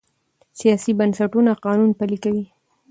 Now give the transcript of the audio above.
سیاسي بنسټونه قانون پلي کوي